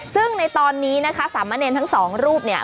ซึ่งในตอนนี้นะคะสามเณรทั้งสองรูปเนี่ย